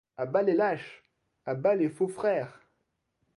À bas les lâches! à bas les faux frères !